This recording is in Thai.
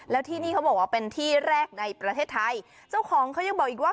แล้วที่นี่เขาบอกว่าเป็นที่แรกในประเทศไทยเจ้าของเขายังบอกอีกว่า